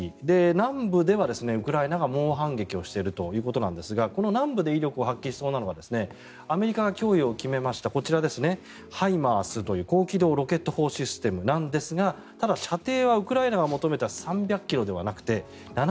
南部ではウクライナが猛反撃をしているということですがこの南部で威力を発揮しそうなのがアメリカが供与を決めたこちらですねＨＩＭＡＲＳという高機動ロケット砲システムですがただ、射程はウクライナが求めた３００ｋｍじゃなくて７０ｋｍと。